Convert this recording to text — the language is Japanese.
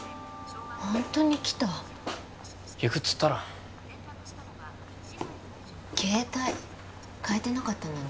ホントに来た行くっつったろ携帯変えてなかったんだね